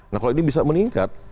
nah kalau ini bisa meningkat